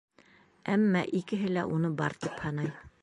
Әммә икеһе лә уны бар тип һанай.